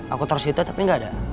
aku taruh situ tapi gak ada